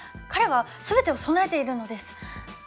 彼は全てを備えているのです。